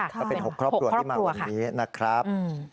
ก็เป็น๖ครอบครัวที่มาวันนี้นะครับ